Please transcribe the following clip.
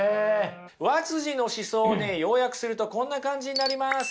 和の思想をね要約するとこんな感じになります。